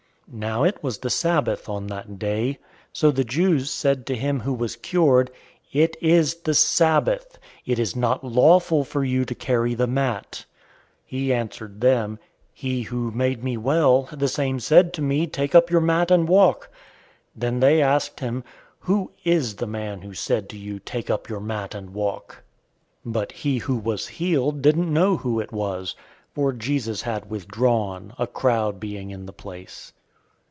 Now it was the Sabbath on that day. 005:010 So the Jews said to him who was cured, "It is the Sabbath. It is not lawful for you to carry the mat." 005:011 He answered them, "He who made me well, the same said to me, 'Take up your mat, and walk.'" 005:012 Then they asked him, "Who is the man who said to you, 'Take up your mat, and walk'?" 005:013 But he who was healed didn't know who it was, for Jesus had withdrawn, a crowd being in the place.